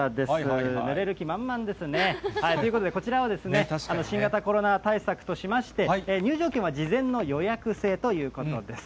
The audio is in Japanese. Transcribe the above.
しゃべる気満々ですね。ということでこちら、新型コロナ対策としまして、入場券は事前の予約制ということです。